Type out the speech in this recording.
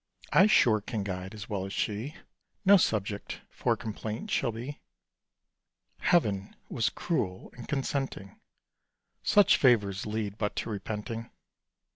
I sure can guide, as well as she; No subject for complaint shall be." Heaven was cruel in consenting: Such favours lead but to repenting.